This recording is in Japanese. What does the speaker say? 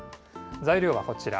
材料はこちら。